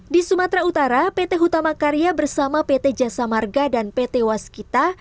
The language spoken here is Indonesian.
di sumatera utara pt hutama karya bersama pt jasa marga dan pt waskita